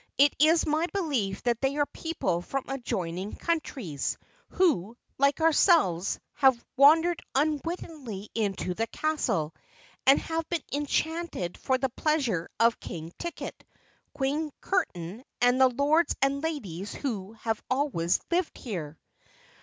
"It is my belief that they are people from adjoining countries, who, like ourselves, have wandered unwittingly into the castle, and have been enchanted for the pleasure of King Ticket, Queen Curtain, and the Lords and Ladies who have always lived here."